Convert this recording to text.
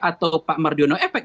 atau pak mardiono efek